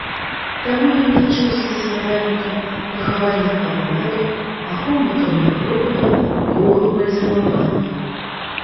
Таму ён лічыўся заснавальнікам пахавальных абрадаў, ахоўнікам некропаляў, богам бальзамавання.